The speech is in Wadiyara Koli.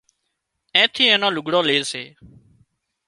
اين ٿِي اين نان لگھڙان لي سي